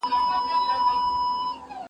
د انسان روحي برتري هغه ته شرف ور وباخښه.